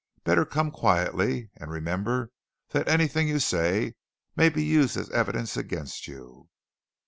Better come quietly. And remember that anything you say may be used as evidence against you!"